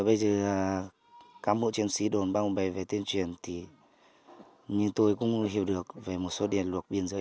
bây giờ cán bộ chiến sĩ đồn a pa chải về tiên truyền thì tôi cũng hiểu được về một số điện luật biên giới